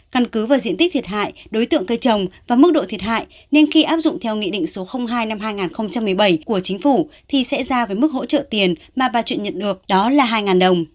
căn cứ vào diện tích thiệt hại đối tượng cây trồng và mức độ thiệt hại nên khi áp dụng theo nghị định số hai năm hai nghìn một mươi bảy của chính phủ thì sẽ ra với mức hỗ trợ tiền mà bà chuyện nhận được đó là hai đồng